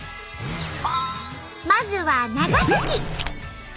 まずは長崎。